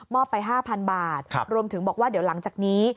ไป๕๐๐๐บาทรวมถึงบอกว่าเดี๋ยวหลังจากนี้